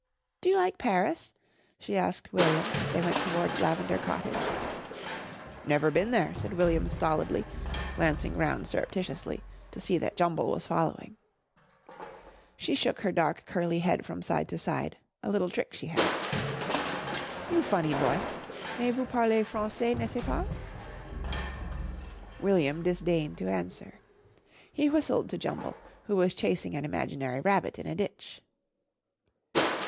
"Do you like Paris?" she asked William as they went towards Lavender Cottage. "Never been there," said William stolidly, glancing round surreptitiously to see that Jumble was following. She shook her dark curly head from side to side a little trick she had. "You funny boy. Mais vous parlez Français, n'est ce pas?" William disdained to answer. He whistled to Jumble, who was chasing an imaginary rabbit in a ditch.